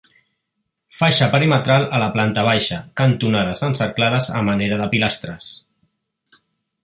Faixa perimetral a la planta baixa, cantonades encerclades a manera de pilastres.